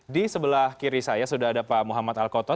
di sebelah kiri saya sudah ada pak muhammad alkotot